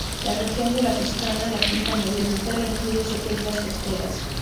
La región de la Toscana, la quinta mayor de Italia, incluye siete islas costeras.